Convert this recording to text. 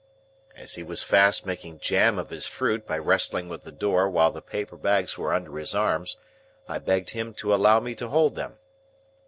As he was fast making jam of his fruit by wrestling with the door while the paper bags were under his arms, I begged him to allow me to hold them.